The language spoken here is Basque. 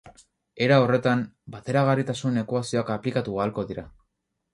Era horretan bateragarritasun ekuazioak aplikatu ahalko dira.